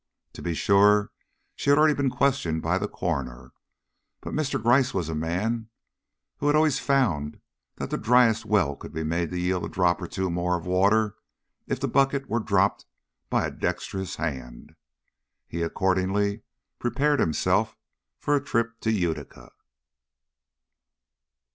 To be sure, she had already been questioned by the coroner, but Mr. Gryce was a man who had always found that the dryest well could be made to yield a drop or two more of water if the bucket was dropped by a dexterous hand. He accordingly prepared himself for a trip to Utica.